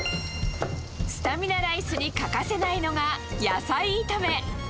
スタミナライスに欠かせないのが、野菜炒め。